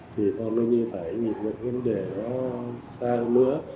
thì con nó như phải nhìn được những vấn đề đó xa hơn nữa